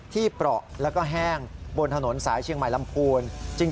เปราะแล้วก็แห้งบนถนนสายเชียงใหม่ลำพูน